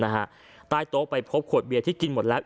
เข้าไปพบขวดเบียวที่กินหมดแล้ว